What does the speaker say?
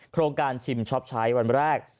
โครงการชิมช็อปใช้วันแรก